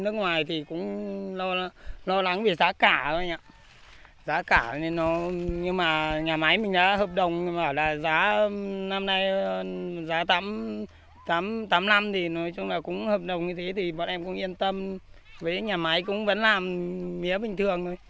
năm nay giá tám mươi năm thì nói chung là cũng hợp đồng như thế thì bọn em cũng yên tâm với nhà máy cũng vẫn làm mía bình thường thôi